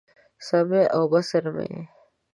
سمع او بصر مې یې